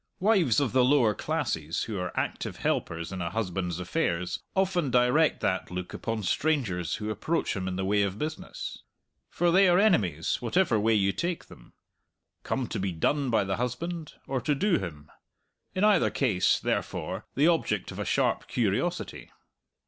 Wives of the lower classes who are active helpers in a husband's affairs often direct that look upon strangers who approach him in the way of business. For they are enemies whatever way you take them; come to be done by the husband or to do him in either case, therefore, the object of a sharp curiosity.